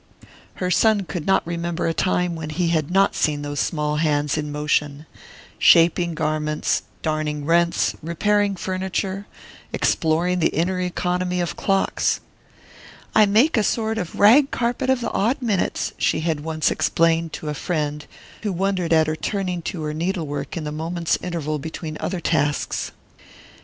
Her son could not remember a time when he had not seen those small hands in motion shaping garments, darning rents, repairing furniture, exploring the inner economy of clocks. "I make a sort of rag carpet of the odd minutes," she had once explained to a friend who wondered at her turning to her needlework in the moment's interval between other tasks.